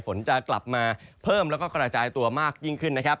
ฝนจะกลับมาเพิ่มแล้วก็กระจายตัวมากยิ่งขึ้นนะครับ